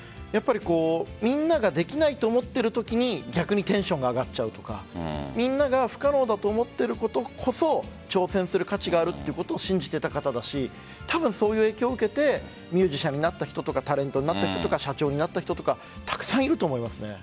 みんなができないと思っているときに逆にテンションが上がっちゃうとかみんなが不可能だと思っていることこそ挑戦する価値があるということを信じていた方だし多分そういう影響を受けてミュージシャンになった人とかタレントになった人とか社長になった人とかたくさんいると思います。